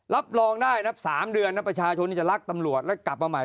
รับรองได้นับ๓เดือนนะประชาชนที่จะรักตำรวจแล้วกลับมาใหม่